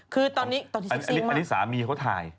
คือตอนนี้เห็นมากอันนี้สามีเขาถ่าย